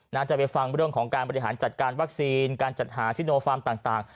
จะไปฟังเรื่องของการบริหารจัดการวัคซีนการจัดหาซิโนฟาร์มต่าง